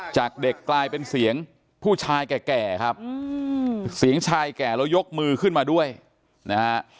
จากเด็กกลายเป็นเสียงผู้ชายแก่ครับเสียงชายแก่แล้วยกมือขึ้นมาด้วยนะฮะ